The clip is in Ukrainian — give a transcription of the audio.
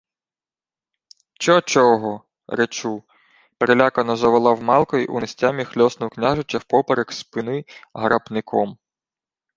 — Чо-чого, речу! — перелякано заволав Малко й у нестямі хльоснув княжича впоперек спини гарапником.